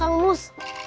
maaf kak emus